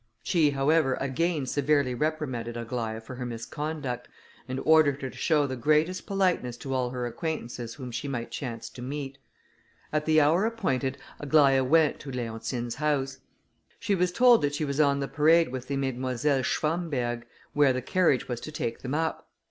She, however, again severely reprimanded Aglaïa for her misconduct, and ordered her to show the greatest politeness to all her acquaintances whom she might chance to meet. At the hour appointed, Aglaïa went to Leontine's house. She was told that she was on the parade with the Mesdemoiselles Schwamberg, where the carriage was to take them up.